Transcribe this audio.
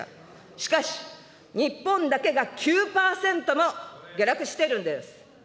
しかし、日本だけが９％も下落しているんです。